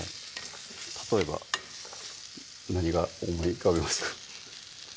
例えば何が思い浮かびますか？